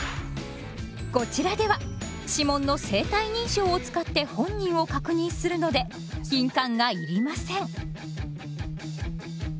こちらでは指紋の生体認証を使って本人を確認するので印鑑がいりません。